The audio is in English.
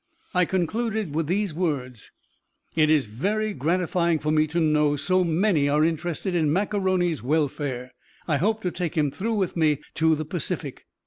_"] I concluded with these words: "It is very gratifying for me to know so many are interested in Mac A'Rony's welfare. I hope to take him through with me to the Pacific.